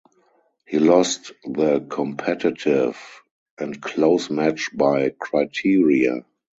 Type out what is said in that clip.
He lost the competitive and close match by criteria.